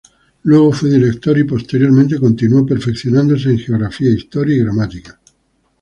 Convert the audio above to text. Luego fue director y posteriormente continuo perfeccionándose en Geografía, Historia y Gramática.